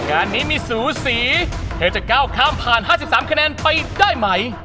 งานนี้มีสูสีเธอจะก้าวข้ามผ่าน๕๓คะแนนไปได้ไหม